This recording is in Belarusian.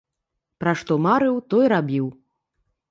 Пра што марыў, то і рабіў.